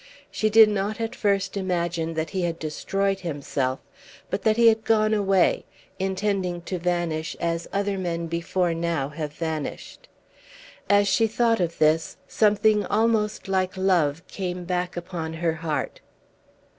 She did not at first imagine that he had destroyed himself, but that he had gone away, intending to vanish as other men before now have vanished. As she thought of this something almost like love came back upon her heart.